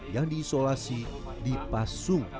yang diisolasi dipasung